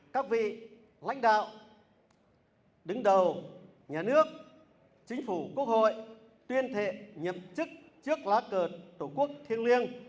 các vị lãnh đạo đứng đầu nhà nước chính phủ quốc hội tuyên thệ nhậm chức trước lá cờ tổ quốc thiêng liêng